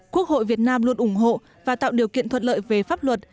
quốc hội việt nam luôn ủng hộ và tạo điều kiện thuận lợi về pháp luật